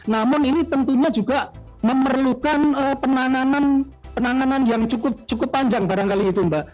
namun ini tentunya juga memerlukan penanganan yang cukup panjang barangkali itu mbak